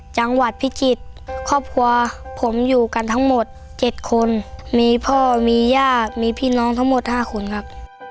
จังหวัดพิจิตรครอบครัวผมอยู่กันทั้งหมด๗คนมีพ่อมีญาติมีพี่น้องทั้งหมด๕คนครับ